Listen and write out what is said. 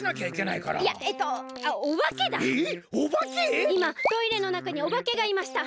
いまトイレのなかにおばけがいました。